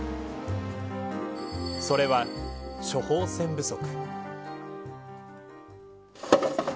それは処方箋不足。